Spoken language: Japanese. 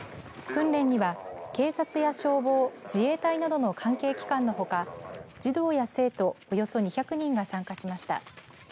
訓練には警察や消防自衛隊などの関係機関のほか児童や生徒、およそ２００人が参加しました。